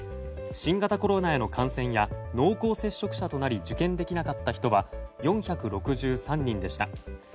新型コロナへの感染や濃厚接触者となり受験できなかった人は４６３人でした。